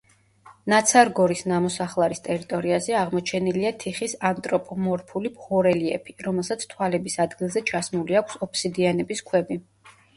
ნაცარგორის ნამოსახლარის ტერიტორიაზე აღმოჩენილია თიხის ანთროპომორფული ჰორელიეფი, რომელსაც თვალების ადგილზე ჩასმული აქვს ოფსიდიანის ქვები.